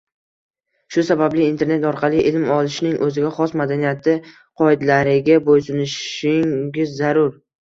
Shu sababli internet orqali ilm olishning o’ziga xos madaniyati qoidalariga bo’ysunishingiz zarur